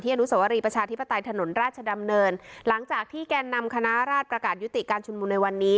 อนุสวรีประชาธิปไตยถนนราชดำเนินหลังจากที่แกนนำคณะราชประกาศยุติการชุมนุมในวันนี้